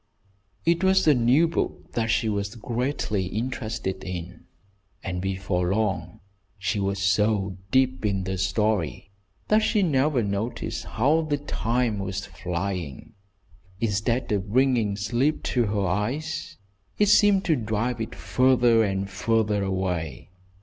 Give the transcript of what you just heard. It was a new book that she was greatly interested in, and before long she was so deep in the story that she never noticed how the time was flying. Instead of bringing sleep to her eyes, it seemed to drive it farther and farther away.